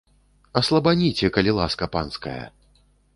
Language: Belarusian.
Аслабаніце, калі ласка панская.